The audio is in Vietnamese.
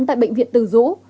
tại bệnh viện từ dũ